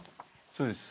そうです。